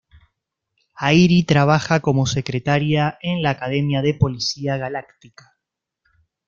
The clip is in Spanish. Airi trabaja como secretaria en la Academia de la Policía Galáctica.